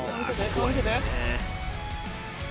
顔見せて。